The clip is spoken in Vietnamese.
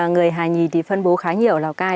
người hà nghì phân bố khá nhiều lào cai